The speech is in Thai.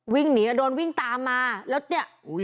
วิ่งหนีแล้วโดนวิ่งตามมาแล้วเนี่ย